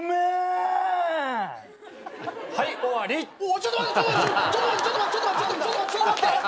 ちょっと待ってちょっと待ってちょっと待って。